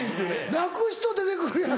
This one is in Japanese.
泣く人出て来るやろ。